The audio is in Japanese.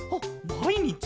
まいにち？